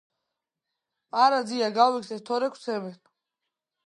- არა, ძია, გავიქცეთ, თორემ გვცემენ...